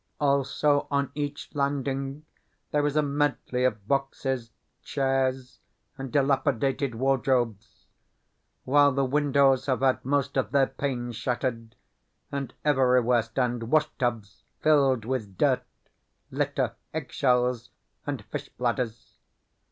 Also, on each landing there is a medley of boxes, chairs, and dilapidated wardrobes; while the windows have had most of their panes shattered, and everywhere stand washtubs filled with dirt, litter, eggshells, and fish bladders.